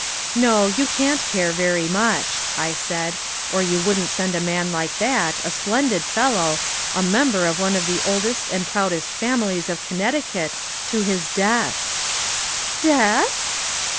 "No, you can't care very much," I said, "or you wouldn't send a man like that a splendid fellow a member of one of the oldest and proudest families of Connecticut to his death." "Death?"